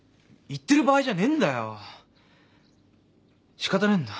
仕方ねえんだ。